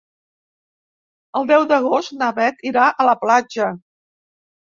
El deu d'agost na Beth irà a la platja.